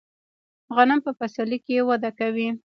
غنم په پسرلي کې وده کوي.